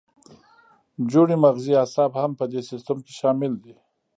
جوړې مغزي اعصاب هم په دې سیستم کې شامل دي.